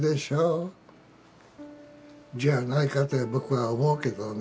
じゃあないかって僕は思うけどね。